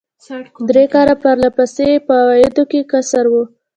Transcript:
درې کاله پر له پسې یې په عوایدو کې کسر و.